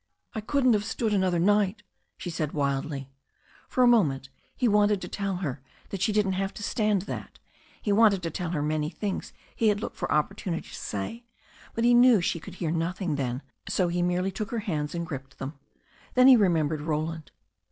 "I couldn't have stood another night," she said wildly. For a moment he wanted to tell her that she didn't have to stand that, he wanted to tell her many things he had looked for opportunity to say, but he knew she could hear nothing then, so he merely took her hands and gripped thenu Then he remembered Roland.